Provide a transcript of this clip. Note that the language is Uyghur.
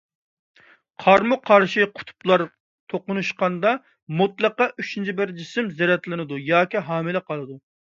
قارمۇ قارشى قۇتۇپلار توقۇنۇشقاندا مۇتلەقا ئۈچىنچى بىر جىسىم زەرەتلىنىدۇ ياكى ھامىلە قالىدۇ.